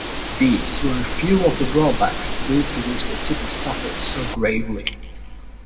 These were few of the drawbacks due to which the city suffered so gravely.